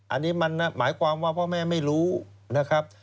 อันนี้มันหมายความว่าพ่อแม่ไม่รู้นะครับ